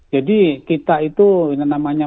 jadi kita itu yang namanya